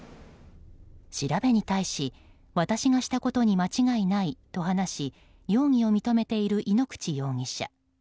調べに対し私がしたことに間違いないと話し容疑を認めている井ノ口容疑者。